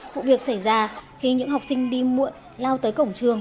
vụ việc xảy ra khi những học sinh đi muộn lao tới cổng trường